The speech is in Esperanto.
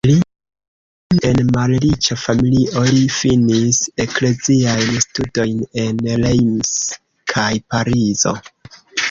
Li naskiĝis en malriĉa familio, li finis ekleziajn studojn en Reims kaj Parizo.